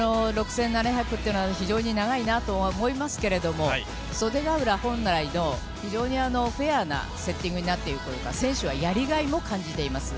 ６７００ってのは非常に長いなとは思いますけれども、袖ヶ浦本来の非常にフェアなセッティングになっているので、選手たちはやりがいを感じています。